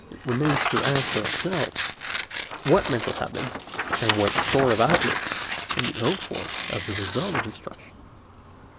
It remains to ask ourselves, what mental habits, and what sort of outlook, can be hoped for as the result of instruction?